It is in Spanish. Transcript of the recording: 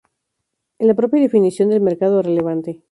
En la propia definición del mercado relevante.